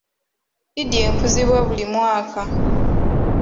Eid ekuzibwa buli mwaka.